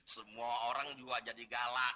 semua orang juga jadi galak